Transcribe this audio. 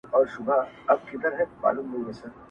ما خو ویل چي نه را ګرځمه زه نه ستنېږم -